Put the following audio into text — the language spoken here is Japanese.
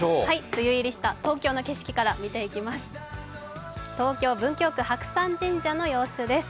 梅雨入りした東京の景色から見ていきます。